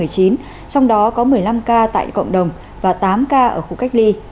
trong đó có một mươi năm ca tại cộng đồng và tám ca ở khu cách ly